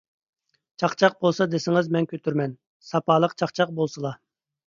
چاقچاق بولسا دېسىڭىز مەن كۆتۈرىمەن، ساپالىق چاقچاق بولسىلا!